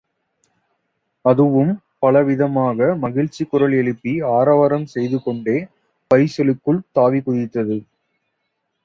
அதுவும் பல விதமாக மகிழ்ச்சிக் குரல் எழுப்பி ஆராவரம் செய்துகொண்டே பரிசலுக்குள் தாவிக் குதித்தது.